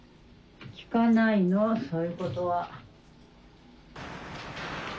・聞かないのそういうことは。